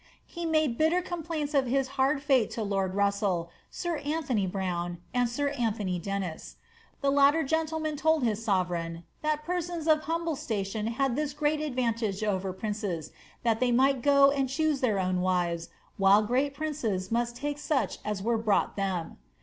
He made bitter complaints of his hard fate to lord Russell, sir Anthony Browne^ and sir Anthony Dennis.^ The latter gentleman told his sovereign, * that persons of humble station had this great advantage over princes, that they might go and choose their own wives, while great princes must take such as were brought them."